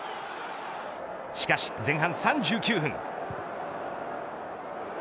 しかし前半３９分。